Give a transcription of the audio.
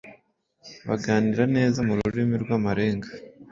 baganira neza mu rurimi rw’amarenga.